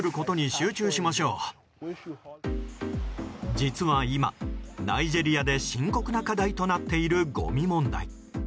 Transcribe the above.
実は今ナイジェリアで深刻な課題となっているごみ問題。